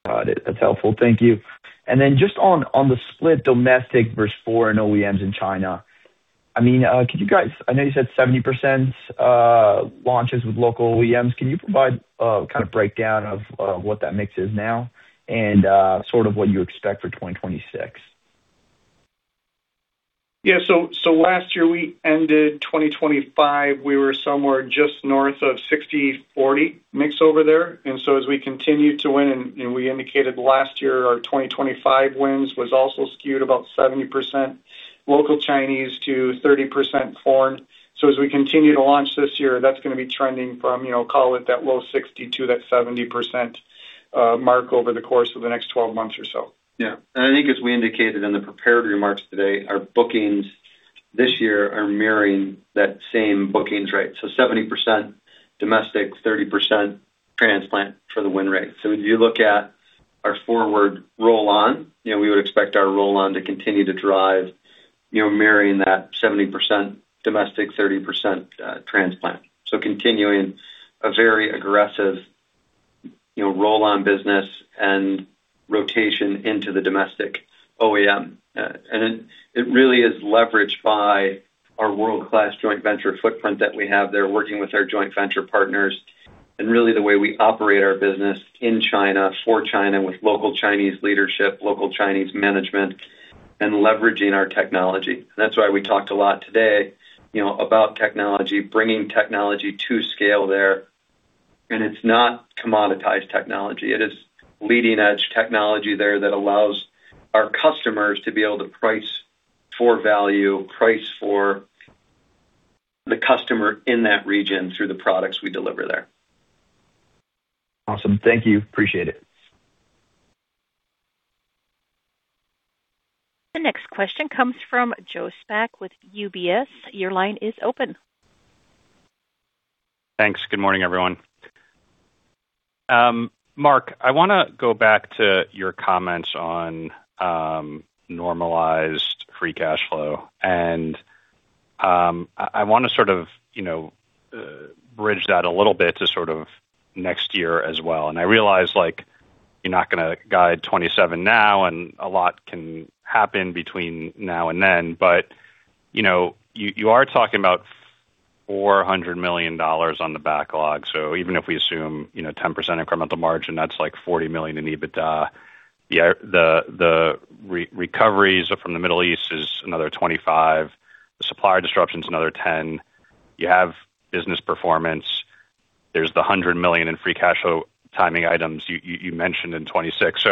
Got it. That's helpful. Thank you. Just on the split domestic versus foreign OEMs in China, I mean, could you guys I know you said 70% launches with local OEMs. Can you provide a kind of breakdown of what that mix is now and sort of what you expect for 2026? Yeah. Last year we ended 2025, we were somewhere just north of 60/40 mix over there. As we continue to win and we indicated last year, our 2025 wins was also skewed about 70% local Chinese to 30% foreign. As we continue to launch this year, that's gonna be trending from, you know, call it that low 60%-70% mark over the course of the next 12 months or so. Yeah. I think as we indicated in the prepared remarks today, our bookings this year are mirroring that same bookings rate. 70% domestic, 30% transplant for the win rate. As you look at our forward roll-on, you know, we would expect our roll-on to continue to drive, you know, mirroring that 70% domestic, 30% transplant. Continuing a very aggressive, you know, roll-on business and rotation into the domestic OEM. It really is leveraged by our world-class joint venture footprint that we have there, working with our joint venture partners and really the way we operate our business in China, for China, with local Chinese leadership, local Chinese management, and leveraging our technology. That's why we talked a lot today, you know, about technology, bringing technology to scale there. It's not commoditized technology. It is leading-edge technology there that allows our customers to be able to price for value, price for the customer in that region through the products we deliver there. Awesome. Thank you. Appreciate it. The next question comes from Joe Spak with UBS. Your line is open. Thanks. Good morning, everyone. Mark, I want to go back to your comments on normalized free cash flow. I want to sort of, you know, bridge that a little bit to sort of next year as well. I realize, like, you're not going to guide 2027 now, and a lot can happen between now and then. You know, you are talking about $400 million on the backlog. Even if we assume, you know, 10% incremental margin, that's like $40 million in EBITDA. The re-recoveries from the Middle East is another $25 million. The supplier disruption is another $10 million. You have business performance. There's the $100 million in free cash flow timing items you mentioned in 2026.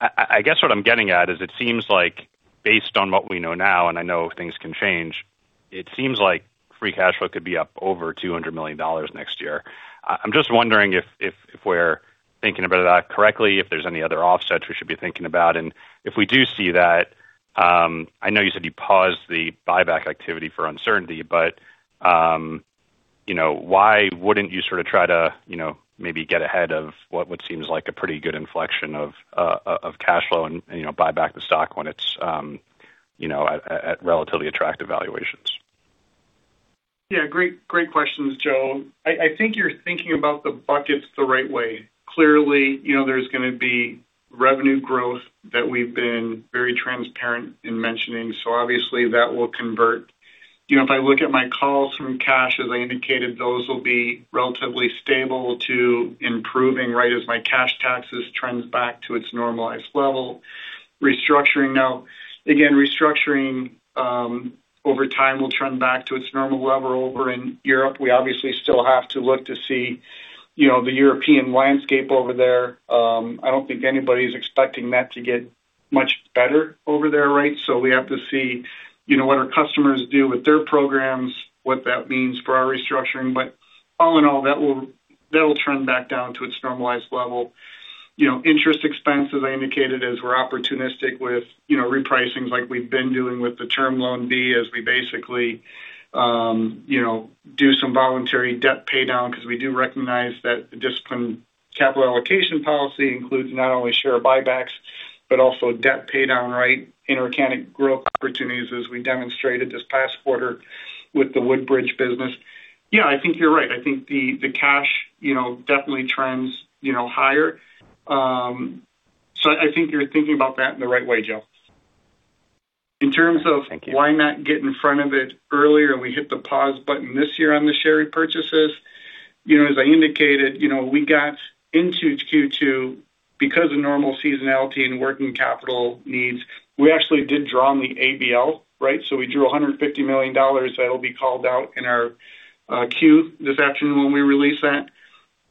I guess what I'm getting at is it seems like based on what we know now, and I know things can change, it seems like free cash flow could be up over $200 million next year. I'm just wondering if we're thinking about that correctly, if there's any other offsets we should be thinking about. If we do see that, I know you said you paused the buyback activity for uncertainty, but, you know, why wouldn't you sort of try to, you know, maybe get ahead of what seems like a pretty good inflection of cash flow and, you know, buy back the stock when it's, you know, at relatively attractive valuations? Yeah, great questions, Joe. I think you're thinking about the buckets the right way. Clearly, you know, there's gonna be revenue growth that we've been very transparent in mentioning. Obviously that will convert. You know, if I look at my calls from cash, as I indicated, those will be relatively stable to improving, right, as my cash taxes trends back to its normalized level. Restructuring now. Again, restructuring, over time will trend back to its normal level over in Europe. We obviously still have to look to see, you know, the European landscape over there. I don't think anybody's expecting that to get much better over there, right? We have to see, you know, what our customers do with their programs, what that means for our restructuring. All in all, that'll trend back down to its normalized level. You know, interest expense, as I indicated, as we're opportunistic with, you know, repricings like we've been doing with the term loan B, as we basically, you know, do some voluntary debt paydown because we do recognize that the disciplined capital allocation policy includes not only share buybacks but also debt paydown, right? Inorganic growth opportunities as we demonstrated this past quarter with the Woodbridge business. Yeah, I think you're right. I think the cash, you know, definitely trends, you know, higher. I think you're thinking about that in the right way, Joe. In terms of why not get in front of it earlier and we hit the pause button this year on the share repurchases. You know, as I indicated, you know, we got into Q2 because of normal seasonality and working capital needs. We actually did draw on the ABL, right? We drew $150 million that'll be called out in our Q this afternoon when we release that.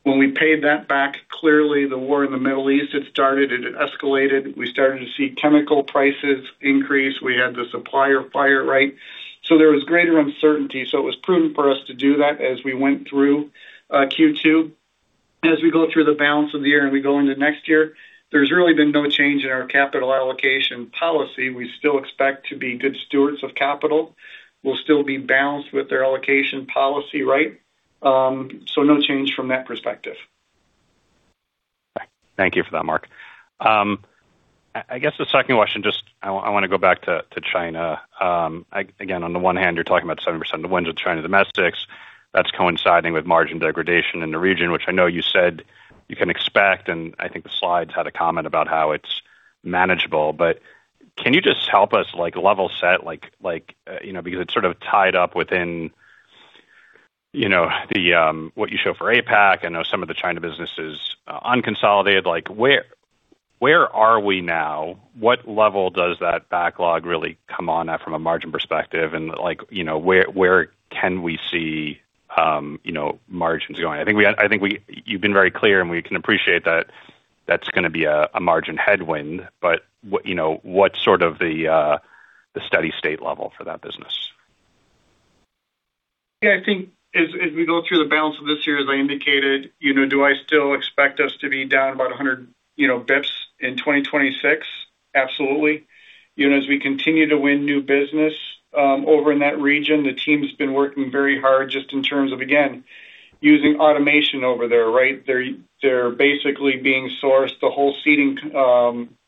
When we paid that back, clearly the war in the Middle East had started and it escalated. We started to see chemical prices increase. We had the supplier fire, right? There was greater uncertainty. It was prudent for us to do that as we went through Q2. As we go through the balance of the year and we go into next year, there's really been no change in our capital allocation policy. We still expect to be good stewards of capital. We'll still be balanced with their allocation policy, right? No change from that perspective. Thank you for that, Mark. I guess the second question, I wanna go back to China. Again, on the one hand, you're talking about 70% of the wins with China domestics. That's coinciding with margin degradation in the region, which I know you said you can expect, and I think the slides had a comment about how it's manageable. Can you just help us like level set, like, you know, because it's sort of tied up within, you know, the what you show for APAC. I know some of the China businesses, unconsolidated. Like, where are we now? What level does that backlog really come on at from a margin perspective? Like, you know, where can we see, you know, margins going? You've been very clear, and we can appreciate that that's gonna be a margin headwind, but what, you know, what's sort of the steady-state level for that business? I think as we go through the balance of this year, as I indicated, you know, do I still expect us to be down about 100, you know, basis points in 2026? Absolutely. You know, as we continue to win new business, over in that region, the team's been working very hard just in terms of, again, using automation over there, right? They're basically being sourced the whole seating,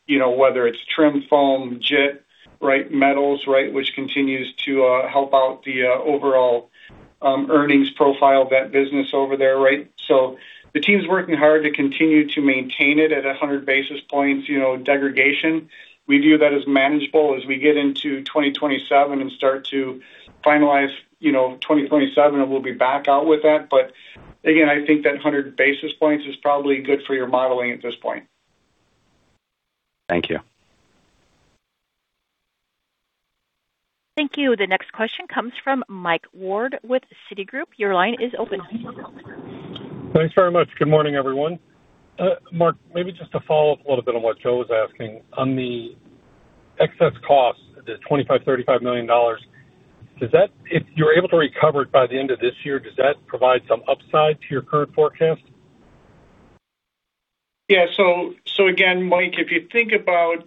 you know, whether it's trim, foam, JIT, right, metals, right? Which continues to help out the overall earnings profile of that business over there, right? The team's working hard to continue to maintain it at a 100 basis points, you know, degradation. We view that as manageable as we get into 2027 and start to finalize, you know, 2027, and we'll be back out with that. Again, I think that 100 basis points is probably good for your modeling at this point. Thank you. Thank you. The next question comes from Mike Ward with Citigroup. Your line is open. Thanks very much. Good morning, everyone. Mark, maybe just to follow up a little bit on what Joe was asking. On the excess cost, the $25 million-$35 million, does that if you're able to recover it by the end of this year, does that provide some upside to your current forecast? Yeah. Again, Mike, if you think about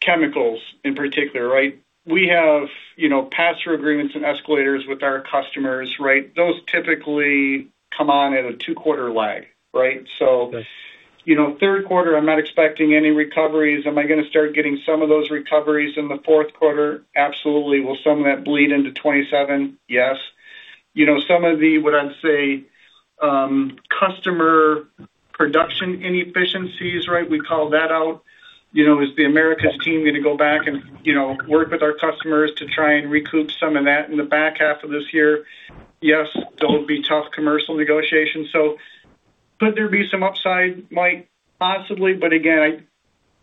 chemicals in particular, right? We have, you know, pass-through agreements and escalators with our customers, right? Those typically come on at a 2-quarter lag, right? Yes. You know, Q3, I'm not expecting any recoveries. Am I gonna start getting some of those recoveries in the Q4? Absolutely. Will some of that bleed into 2027? Yes. You know, some of the, what I'd say, customer production inefficiencies, right, we call that out. You know, is the Americas team gonna go back and, you know, work with our customers to try and recoup some of that in the back half of this year? Yes. Those will be tough commercial negotiations. Could there be some upside, Mike? Possibly. Again, I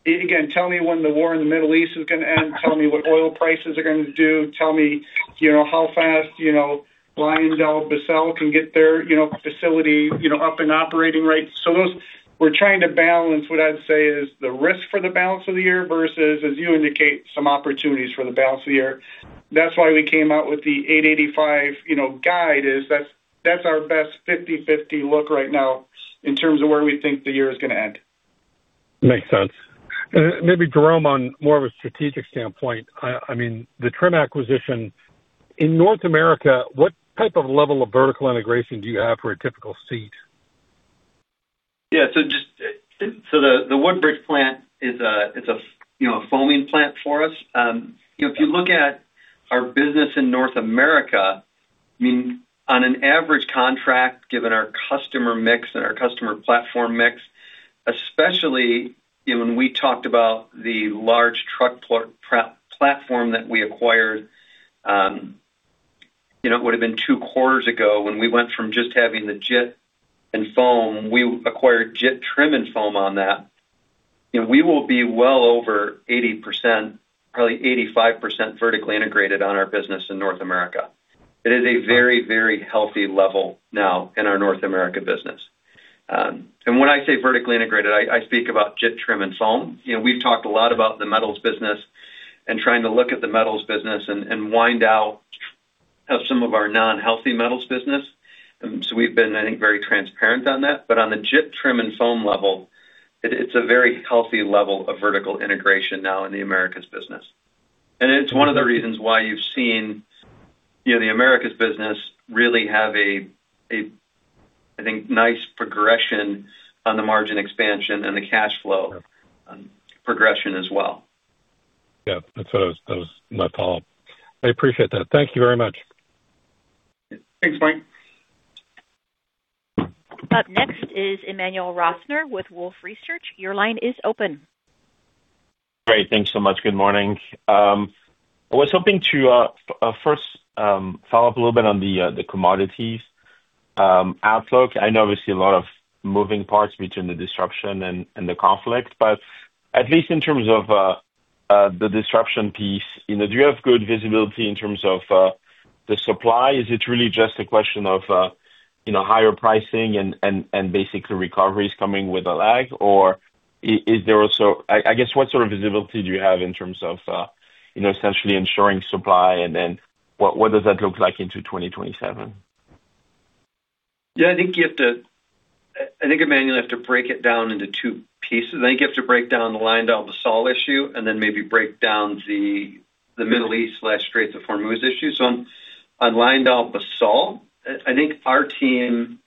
and again, tell me when the war in the Middle East is gonna end. Tell me what oil prices are gonna do. Tell me, you know, how fast, you know, LyondellBasell can get their, you know, facility, you know, up and operating, right? We're trying to balance what I'd say is the risk for the balance of the year versus, as you indicate, some opportunities for the balance of the year. That's why we came out with the $885 million, you know, guide, is that's our best 50/50 look right now in terms of where we think the year is gonna end. Makes sense. Maybe Jerome, on more of a strategic standpoint. I mean, the trim acquisition in North America, what type of level of vertical integration do you have for a typical seat? The Woodbridge plant is a foaming plant for us. If you look at our business in North America, on an average contract, given our customer mix and our customer platform mix, especially, when we talked about the large truck platform that we acquired, it would have been two quarters ago when we went from just having the JIT and foam, we acquired JIT trim and foam on that. We will be well over 80%, probably 85% vertically integrated on our business in North America. It is a very, very healthy level now in our North America business. And when I say vertically integrated, I speak about JIT, trim and foam. You know, we've talked a lot about the metals business and trying to look at the metals business and wind out of some of our non-healthy metals business. We've been, I think, very transparent on that. On the JIT, trim and foam level, it's a very healthy level of vertical integration now in the Americas business. It's one of the reasons why you've seen, you know, the Americas business really have a, I think, nice progression on the margin expansion and the cash flow progression as well. Yeah, that was my follow-up. I appreciate that. Thank you very much. Thanks, Mike. Up next is Emmanuel Rosner with Wolfe Research. Your line is open. Great. Thanks so much. Good morning. I was hoping to first follow up a little bit on the commodities outlook. I know obviously a lot of moving parts between the disruption and the conflict, but at least in terms of the disruption piece, you know, do you have good visibility in terms of the supply? Is it really just a question of, you know, higher pricing and basically recoveries coming with a lag? Or is there also I guess, what sort of visibility do you have in terms of, you know, essentially ensuring supply and then what does that look like into 2027? Yeah, I think, Emmanuel Rosner, you have to break it down into two pieces. I think you have to break down the LyondellBasell issue and then maybe break down the Middle East/Straits of Hormuz issue. On LyondellBasell, I think our team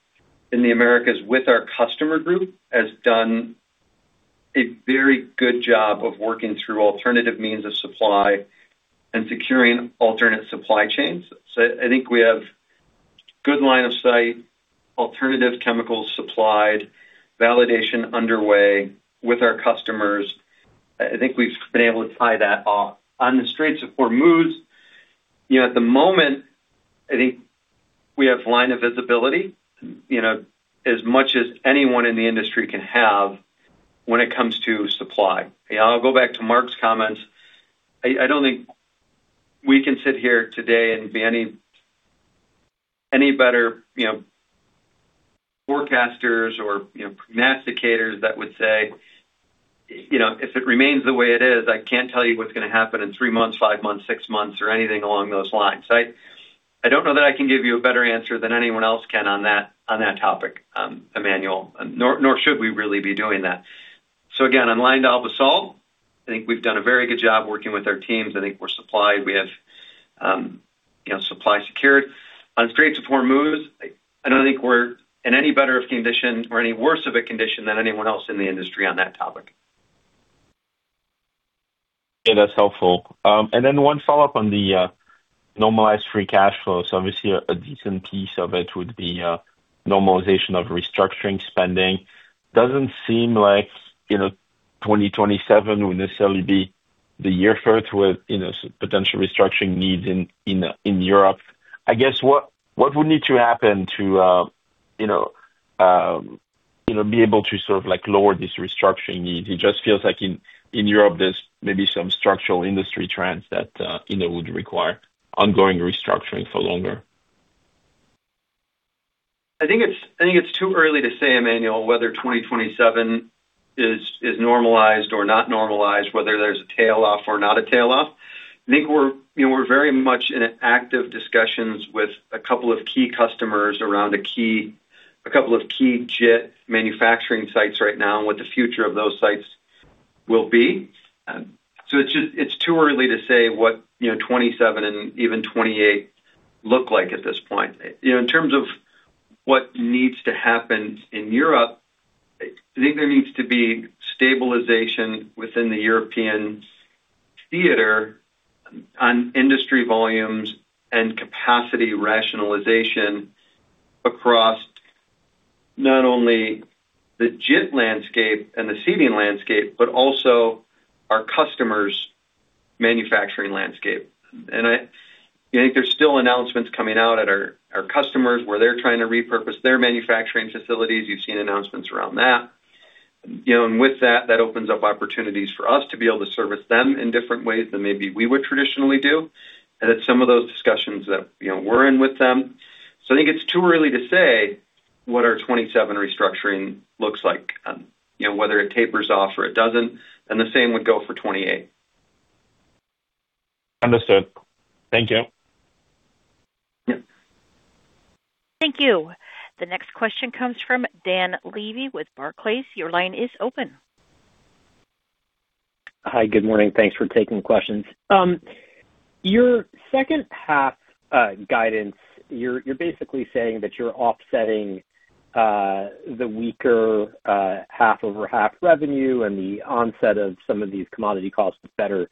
in the Americas with our customer group has done a very good job of working through alternative means of supply and securing alternate supply chains. I think we have good line of sight, alternative chemicals supplied, validation underway with our customers. I think we've been able to tie that off. On the Straits of Hormuz, you know, at the moment, I think we have line of visibility, you know, as much as anyone in the industry can have when it comes to supply. You know, I'll go back to Mark Oswald's comments. I don't think we can sit here today and be any better, you know, forecasters or, you know, prognosticators that would say, you know, if it remains the way it is, I can't tell you what's gonna happen in three months, five months, six months, or anything along those lines. I don't know that I can give you a better answer than anyone else can on that topic, Emmanuel, nor should we really be doing that. Again, on LyondellBasell, I think we've done a very good job working with our teams. I think we're supplied. We have, you know, supply secured. On Straits of Hormuz, I don't think we're in any better of condition or any worse of a condition than anyone else in the industry on that topic. Yeah, that's helpful. One follow-up on the normalized free cash flow. Obviously a decent piece of it would be normalization of restructuring spending. Doesn't seem like, you know, 2027 will necessarily be the year for it with, you know, potential restructuring needs in Europe. I guess, what would need to happen to, you know, be able to sort of like lower this restructuring need? It just feels like in Europe, there's maybe some structural industry trends that, you know, would require ongoing restructuring for longer. I think it's too early to say, Emmanuel, whether 2027 is normalized or not normalized, whether there's a tail off or not a tail off. I think we're, you know, we're very much in active discussions with a couple of key customers around a couple of key JIT manufacturing sites right now and what the future of those sites will be. It's too early to say what, you know, 2027 and even 2028 look like at this point. You know, in terms of what needs to happen in Europe, I think there needs to be stabilization within the European theater on industry volumes and capacity rationalization across not only the JIT landscape and the seating landscape, but also our customers' manufacturing landscape. I, you know, I think there's still announcements coming out at our customers where they're trying to repurpose their manufacturing facilities. You've seen announcements around that. You know, with that opens up opportunities for us to be able to service them in different ways than maybe we would traditionally do. It's some of those discussions that, you know, we're in with them. I think it's too early to say what our 2027 restructuring looks like, you know, whether it tapers off or it doesn't, and the same would go for 2028. Understood. Thank you. Yep. Thank you. The next question comes from Dan Levy with Barclays. Your line is open. Hi, good morning. Thanks for taking questions. Your H2 guidance, you're basically saying that you're offsetting the weaker half-over-half revenue and the onset of some of these commodity costs with better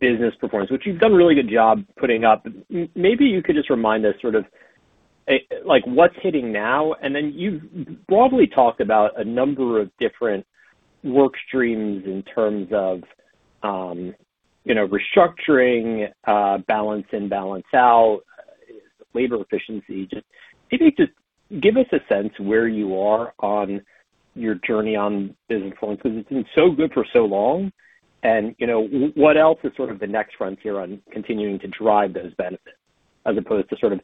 business performance, which you've done a really good job putting up. Maybe you could just remind us sort of like what's hitting now, and then you've broadly talked about a number of different work streams in terms of restructuring, balance and balance out, labor efficiency. Maybe just give us a sense where you are on your journey on business performance, because it's been so good for so long. What else is sort of the next frontier on continuing to drive those benefits as opposed to sort of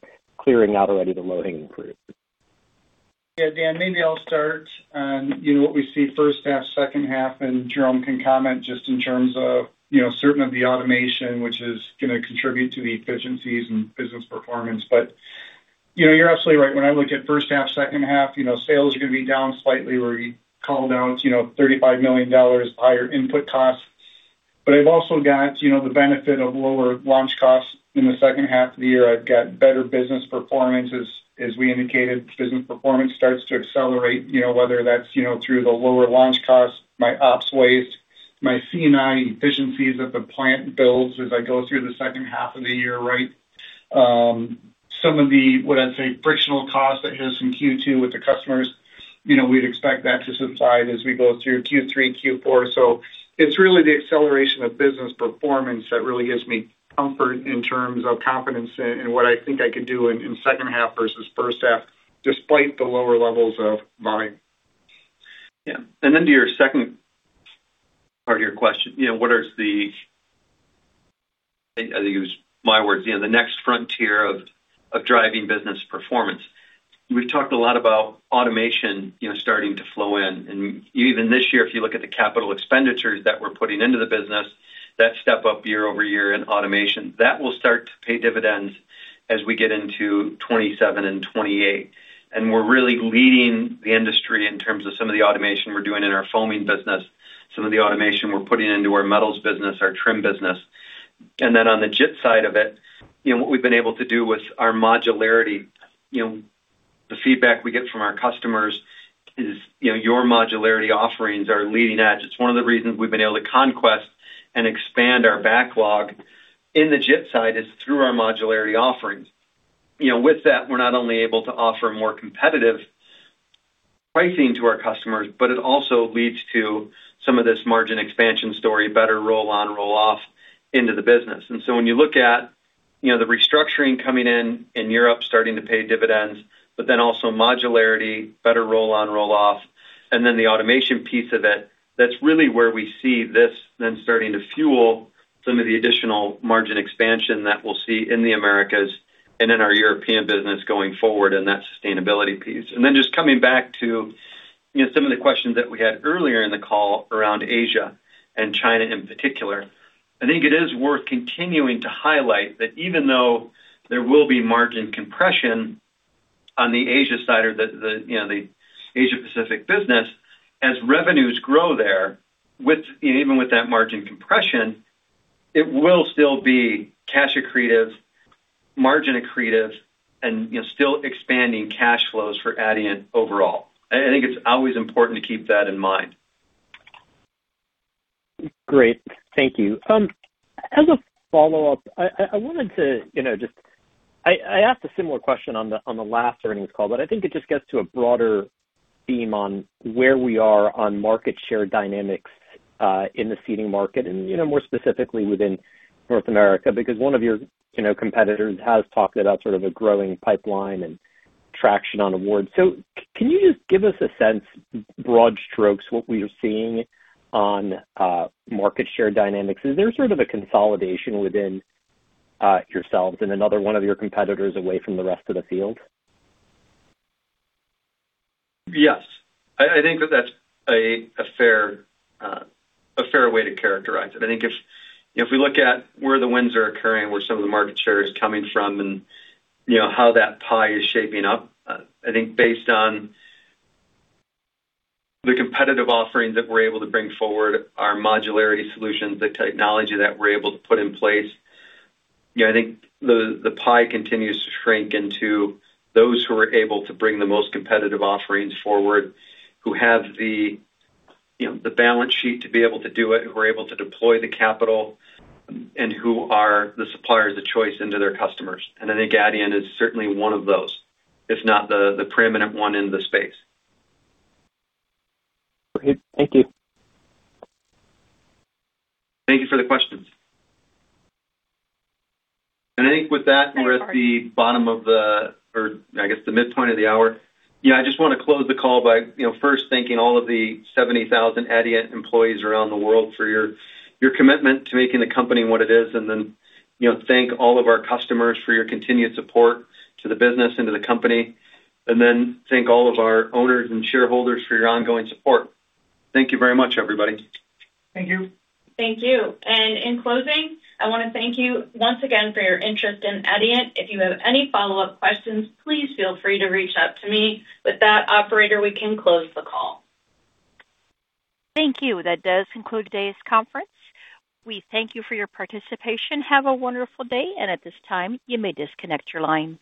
clearing out already the low-hanging fruit? Yeah, Dan, maybe I'll start on, you know, what we see H1/H2, and Jerome can comment just in terms of, you know, certain of the automation, which is gonna contribute to the efficiencies and business performance. You know, you're absolutely right. When I look at H1/H2, you know, sales are gonna be down slightly. We're called out, you know, $35 million higher input costs. I've also got, you know, the benefit of lower launch costs in the H2 of the year. I've got better business performance. As we indicated, business performance starts to accelerate, you know, whether that's, you know, through the lower launch costs, my ops waste, my CI efficiencies that the plant builds as I go through the H2 of the year, right? Some of the, what I'd say, frictional costs that hit us in Q2 with the customers, you know, we'd expect that to subside as we go through Q3, Q4. It's really the acceleration of business performance that really gives me comfort in terms of confidence in what I think I can do in H2 versus H1, despite the lower levels of volume. Yeah. Then to your second part of your question, you know, what is, I'll use my words, you know, the next frontier of driving business performance. We've talked a lot about automation, you know, starting to flow in. Even this year, if you look at the capital expenditures that we're putting into the business, that step up year-over-year in automation, that will start to pay dividends as we get into 2027 and 2028. We're really leading the industry in terms of some of the automation we're doing in our foaming business, some of the automation we're putting into our metals business, our trim business. Then on the JIT side of it, you know, what we've been able to do with our modularity, you know, the feedback we get from our customers is, you know, your modularity offerings are leading edge. It's one of the reasons we've been able to conquest and expand our backlog in the JIT side is through our modularity offerings. You know, with that, we're not only able to offer more competitive pricing to our customers, but it also leads to some of this margin expansion story, better roll-on/roll-off into the business. When you look at, you know, the restructuring coming in Europe starting to pay dividends, also modularity, better roll-on/roll-off, and the automation piece of it, that's really where we see this then starting to fuel some of the additional margin expansion that we'll see in the Americas and in our European business going forward in that sustainability piece. Just coming back to, you know, some of the questions that we had earlier in the call around Asia and China in particular. I think it is worth continuing to highlight that even though there will be margin compression on the Asia side or the, you know, the APAC business, as revenues grow there with, you know, even with that margin compression, it will still be cash accretive, margin accretive, and, you know, still expanding cash flows for Adient overall. I think it's always important to keep that in mind. Great. Thank you. As a follow-up, I wanted to, you know, just I asked a similar question on the last earnings call, but I think it just gets to a broader theme on where we are on market share dynamics in the seating market and, you know, more specifically within North America, because one of your, you know, competitors has talked about sort of a growing pipeline and traction on awards. Can you just give us a sense, broad strokes, what we are seeing on market share dynamics? Is there sort of a consolidation within yourselves and another one of your competitors away from the rest of the field? Yes. I think that that's a fair, a fair way to characterize it. I think if, you know, if we look at where the wins are occurring, where some of the market share is coming from, and you know, how that pie is shaping up, I think based on the competitive offerings that we're able to bring forward, our modularity solutions, the technology that we're able to put in place, you know, I think the pie continues to shrink into those who are able to bring the most competitive offerings forward, who have the, you know, the balance sheet to be able to do it, who are able to deploy the capital, and who are the suppliers of choice into their customers. I think Adient is certainly one of those, if not the preeminent one in the space. Great. Thank you. Thank you for the questions. I think with that, we're at the bottom of the or I guess the midpoint of the hour. You know, I just wanna close the call by, you know, first thanking all of the 70,000 Adient employees around the world for your commitment to making the company what it is. Then, you know, thank all of our customers for your continued support to the business and to the company. Then thank all of our owners and shareholders for your ongoing support. Thank you very much, everybody. Thank you. Thank you. In closing, I wanna thank you once again for your interest in Adient. If you have any follow-up questions, please feel free to reach out to me. With that, operator, we can close the call. Thank you. That does conclude today's conference. We thank you for your participation. Have a wonderful day. At this time, you may disconnect your lines.